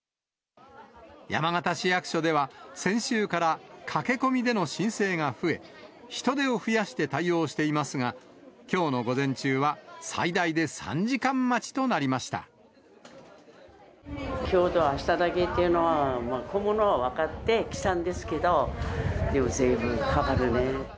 山形市役所では、先週から駆け込みでの申請が増え、人手を増やして対応していますが、きょうの午前中は、最大で３時間きょうとあしただけっていうのは、混むのは分かってきたんですけど、でもずいぶんかかるね。